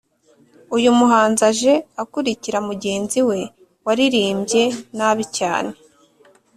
Uyu muhanzi aje akurikira mugenzi we waririmbye nabi cyane